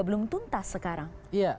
belum tuntas sekarang